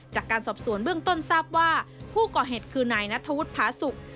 จากการสอบสวนเบื้องต้นทราบว่าผู้ก่อเหตุคือนายนัทธวุฒิภาสุก